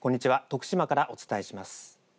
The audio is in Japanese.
徳島からお伝えします。